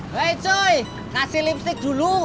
hei cuy kasih lipstick dulu